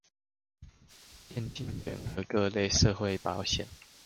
漸進整合各類社會保險